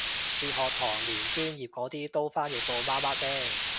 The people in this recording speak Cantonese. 哲學堂連專業嗰啲都譯到媽媽聲